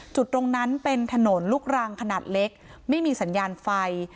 จุดตรงนั้นเป็นถนนลูกรังขนาดเล็กไม่มีสัญญาณไฟ